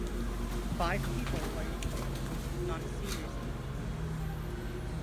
Five people were injured - none seriously.